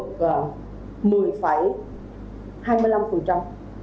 chúng ta vượt một mươi hai mươi năm